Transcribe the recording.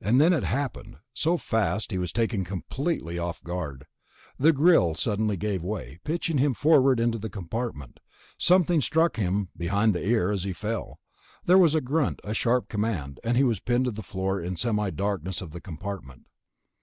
And then it happened, so fast he was taken completely off guard. The grill suddenly gave way, pitching him forward into the compartment. Something struck him behind the ear as he fell; there was a grunt, a sharp command, and he was pinned to the floor in the semi darkness of the compartment.